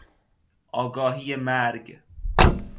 آگاهی مرگ